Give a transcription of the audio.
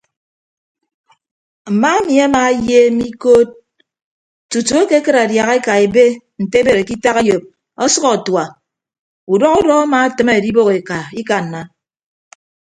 Mma emi ama ayeem ikod tutu ekekịd adiaha eka ebe nte ebere ke itak eyop ọsʌk atua udọ udọ ama atịme edibәk eka ikanna.